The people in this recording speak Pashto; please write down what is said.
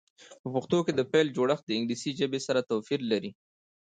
په پښتو کې د فعل جوړښت د انګلیسي ژبې سره توپیر لري.